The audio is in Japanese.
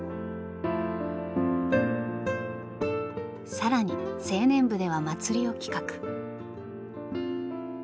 更に青年部では祭りを企画。